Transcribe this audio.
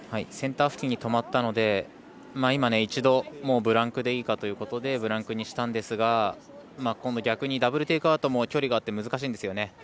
センター付近に止まったので今、一度ブランクでいいかということでブランクにしたんですが今度、逆にダブル・テイクアウトも距離があって難しいんですよね。